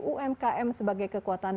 umkm sebagai kekuatan